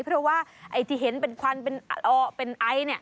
เพราะว่าไอ้ที่เห็นเป็นควันเป็นไอซ์